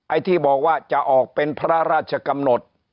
ไอ้ที่บอกว่าจะออกเป็นพระราชกำหนด